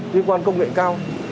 liên quan công nghệ cao